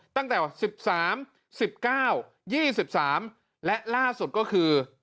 ตั้งแต่สิบสามสิบเก้ายี่สิบสามและล่าสุดก็คือ